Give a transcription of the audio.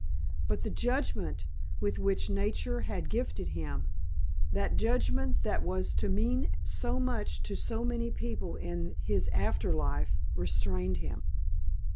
But the judgment with which nature had gifted him, that judgment that was to mean so much to so many people in his after life, restrained him.